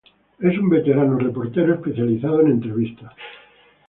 Es un veterano reportero especializado en entrevistas.